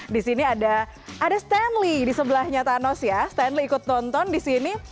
di sini ada stanley di sebelahnya thanos ya stanley ikut nonton di sini